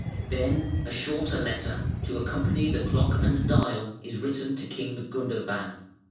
Then a shorter letter, to accompany the clock and dial, is written to King Gundobad.